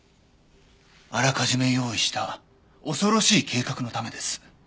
あらかじめ用意した恐ろしい計画のためです。